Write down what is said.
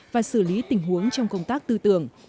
và xử lý tình huống trong công tác tư tưởng